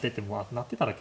なってたら桂。